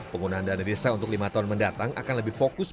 penggunaan dana desa untuk lima tahun mendatang akan lebih fokus